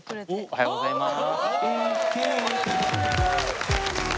おはようございます。